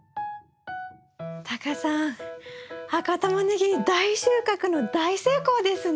タカさん赤タマネギ大収穫の大成功ですね。